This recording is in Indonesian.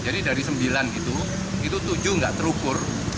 jadi dari sembilan itu tujuh tidak terukur